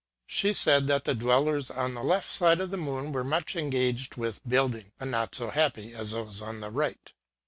She said that the dwellers on the left side of the moon were much engaged with build ing, and not so happy as those on the right.